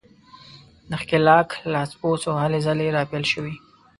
د ښکېلاک لاسپوڅو هلې ځلې راپیل شوې.